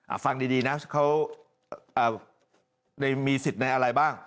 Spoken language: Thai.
ฟังดีดีนะเขาได้มีสิทธิ์ในอะไรบ้าง